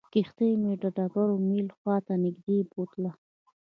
کښتۍ مې د ډبرین میل خواته نږدې بوتلله.